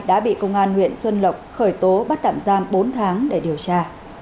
đã bị công an huyện xuân lộc khởi tố bắt tạm giam bốn tháng để điều tra